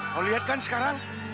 kau lihat kan sekarang